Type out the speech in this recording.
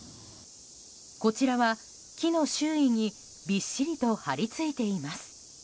こちらは木の周囲にびっしりと張り付いています。